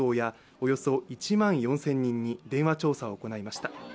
およそ１万４０００人に電話調査を行いました。